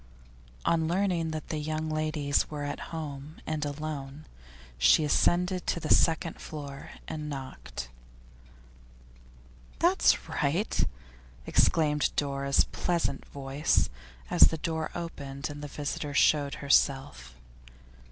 On learning that the young ladies were at home and alone, she ascended to the second floor and knocked. 'That's right!' exclaimed Dora's pleasant voice, as the door opened and the visitor showed herself.